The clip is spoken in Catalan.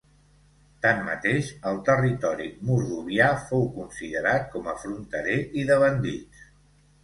Tanmateix, el territori mordovià fou considerat com a fronterer i de bandits.